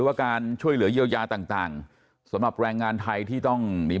ว่าการช่วยเหลือเยียวยาต่างสำหรับแรงงานไทยที่ต้องหนี